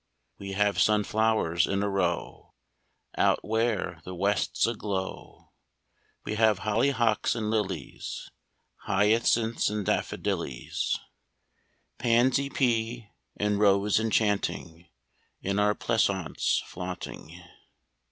We have sun flowers in a row Out where the west's a glow, We have hollyhocks and lilies, Hyacinths and daffodillies, 37 38 OURS Pansy, pea, and rose enchanting In our pleasaunce flaunting.